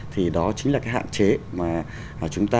thì đó chính là cái hạn chế mà chúng ta